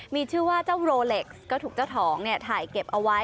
มีชื่อว่าเจ้าโรเล็กซ์ก็ถูกเจ้าของถ่ายเก็บเอาไว้